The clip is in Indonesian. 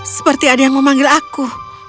seperti ada yang memanggil aku